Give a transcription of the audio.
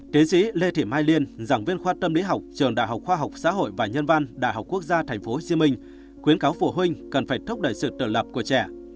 tiến sĩ lê thị mai liên giảng viên khoa tâm lý học trường đại học khoa học xã hội và nhân văn đại học quốc gia tp hcm khuyến cáo phụ huynh cần phải thúc đẩy sự tự lập của trẻ